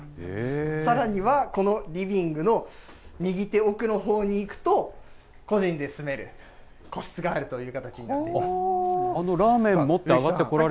さらには、このリビングの右手奥のほうに行くと、個人で住める個室があるという形になっています。